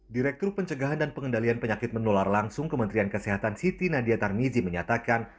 direktur pencegahan dan pengendalian penyakit menular langsung kementerian kesehatan siti nadia tarmizi menyatakan